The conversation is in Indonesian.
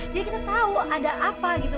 jadi kita tau ada apa gitu